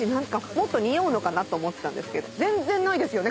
もっと臭うのかなと思ってたんですけど全然ないですよね